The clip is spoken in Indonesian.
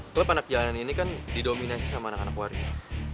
klub anak jalanan ini kan didominasi sama anak anak warga